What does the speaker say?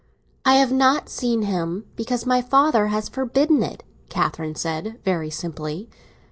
"I have not seen him, because my father has forbidden it," Catherine said very simply.